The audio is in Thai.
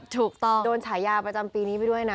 ถูกต้องโดนฉายาประจำปีนี้ไปด้วยนะ